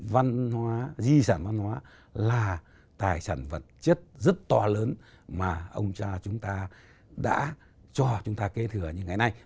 mà cũng là tài sản vật chất rất to lớn mà ông cha chúng ta đã cho chúng ta kê thừa như ngày nay